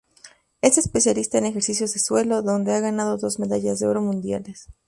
Es especialista en ejercicios de suelo, donde ha ganado dos medallas de oro mundiales.